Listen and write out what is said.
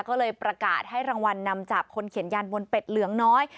ก็เลยประกาศให้รางวัลนำจับคนเขียนยันบนเป็ดเหลืองน้อย